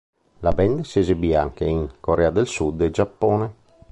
La band si esibì anche in Corea del Sud e Giappone.